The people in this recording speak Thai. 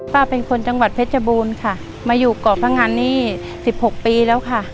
ป้าเป็นคนจังหวัดเพชรบูรณ์ค่ะมาอยู่เกาะพงันนี่สิบหกปีแล้วค่ะ